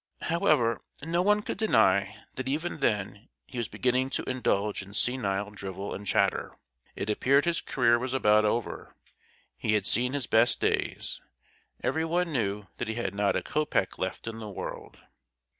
However, no one could deny that even then he was beginning to indulge in senile drivel and chatter. It appeared his career was about over; he had seen his best days, everyone knew that he had not a copeck left in the world!